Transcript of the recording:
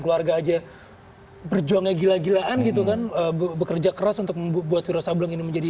keluarga aja berjuangnya gila gilaan gitu kan bekerja keras untuk membuat wiro sableng ini menjadi